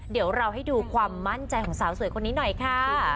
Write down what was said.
เดี๋ยวเราให้ดูความมั่นใจของสาวสวยคนนี้หน่อยค่ะ